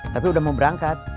tapi udah mau berangkat